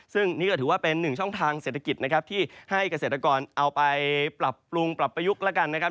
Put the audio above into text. ซึ่งนี่ก็ถือว่าเป็นหนึ่งช่องทางเศรษฐกิจนะครับที่ให้เกษตรกรเอาไปปรับปรุงปรับประยุกต์แล้วกันนะครับ